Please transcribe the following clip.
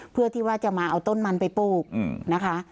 เพื่อที่ว่าจะมาเอาต้นมันไปปลูกนะคะ